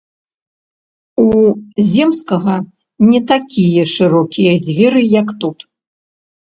У земскага не такія шырокія дзверы, як тут.